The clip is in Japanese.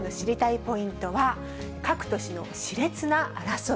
ポイントは、各都市のしれつな争い。